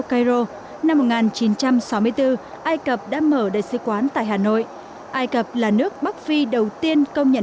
cairo năm một nghìn chín trăm sáu mươi bốn ai cập đã mở đại sứ quán tại hà nội ai cập là nước bắc phi đầu tiên công nhận